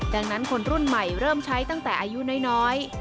ดังนั้นคนรุ่นใหม่เริ่มใช้ตั้งแต่อายุน้อย